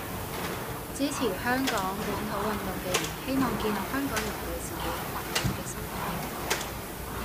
支持香港本土運動嘅人，希望建立香港人對自己群族嘅身份認同